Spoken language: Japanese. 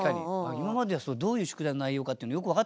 今まではどういう宿題の内容かというのよく分かってませんもんね。